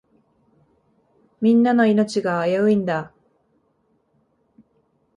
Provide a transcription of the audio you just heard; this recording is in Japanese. みんなの命が危ういんだ。